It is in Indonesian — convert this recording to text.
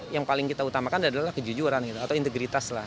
yang paling kita utamakan adalah kejujuran gitu atau integritas lah